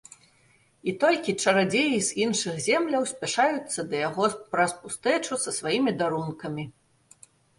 І толькі чарадзеі з іншых земляў спяшаюцца да яго праз пустэчу са сваімі дарункамі.